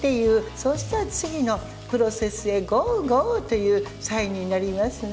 そしたら、次のプロセスへゴー、ゴーというサインになりますね。